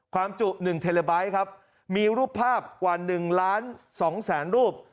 ความจุ๑เทเลไบท์ครับมีรูปภาพกว่า๑ล้าน๒แสนรูป